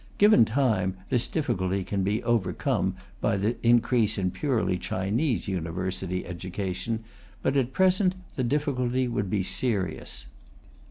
Given time, this difficulty can be overcome by the increase in purely Chinese university education, but at present the difficulty would be serious.